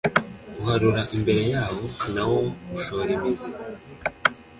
uharura imbere yawo. na wo ushora imizi